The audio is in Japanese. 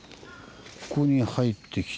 ここに入ってきて。